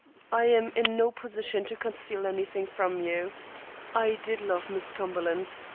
"I am in no position to conceal anything from you. I did love Miss Cumberland.